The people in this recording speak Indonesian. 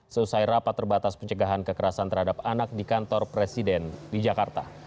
selesai rapat terbatas pencegahan kekerasan terhadap anak di kantor presiden di jakarta